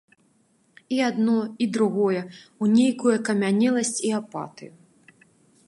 І адно і другое ў нейкую акамянеласць і апатыю.